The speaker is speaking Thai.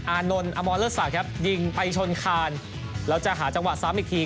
อานนท์อมรเลิศศักดิ์ครับยิงไปชนคานแล้วจะหาจังหวะซ้ำอีกที